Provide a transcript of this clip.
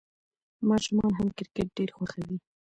ماشومان هم کرکټ ډېر خوښوي.